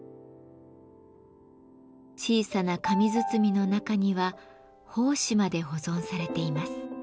小さな紙包みの中には胞子まで保存されています。